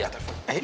ya terima kasih